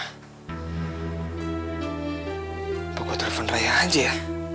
apa gua telepon raya aja ya